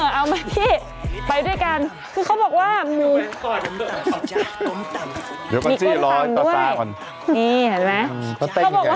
เออเอาไหมพี่ไปด้วยกันเขาบอกว่ามีคนทำด้วยนี่เห็นไหมเขาบอกว่า